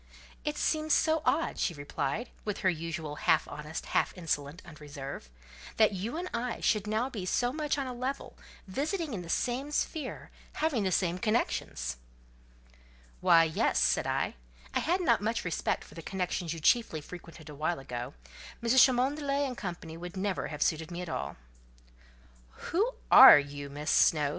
"It seems so odd," she replied, with her usual half honest half insolent unreserve, "that you and I should now be so much on a level, visiting in the same sphere; having the same connections." "Why, yes," said I; "I had not much respect for the connections you chiefly frequented awhile ago: Mrs. Cholmondeley and Co. would never have suited me at all." "Who are you, Miss Snowe?"